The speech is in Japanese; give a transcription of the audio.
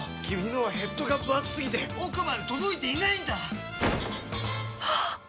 君のはヘッドがぶ厚すぎて奥まで届いていないんだっ！